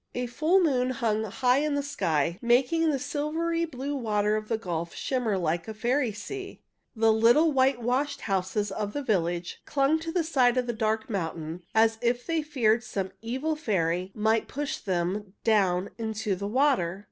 A full moon hung high in the sky, making the silvery blue water of the gulf shimmer like a fairy sea. The little whitewashed houses of the village clung to the side of the dark mountain as if they feared some evil fairy might push them down into the water.